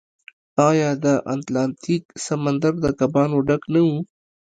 آیا د اتلانتیک سمندر د کبانو ډک نه و؟